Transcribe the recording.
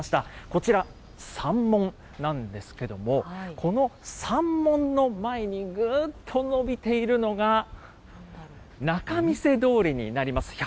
こちら、山門なんですけども、この山門の前にぐーっと延びているのが、仲見世通りになります。